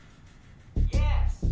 イエース！